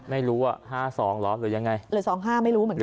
ไม่รู้ว่า๕๒เหรอหรือยังไงหรือ๒๕ไม่รู้เหมือนกัน